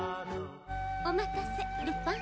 お待たせルパン。